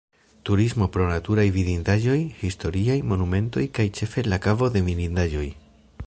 Turismo pro naturaj vidindaĵoj, historiaj, monumentoj kaj ĉefe la Kavo de Mirindaĵoj.